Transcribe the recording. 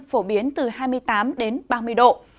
phổ biến từ hai mươi tám ba mươi độ